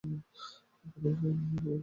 পুরো একটা super team!